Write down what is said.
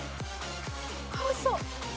おいしそう。